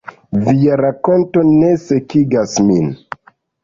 “Via rakonto ne sekigas min.”